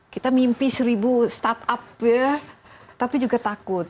kita mimpi seribu startup ya tapi juga takut